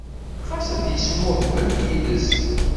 Xas ad yesmuhbel yiles.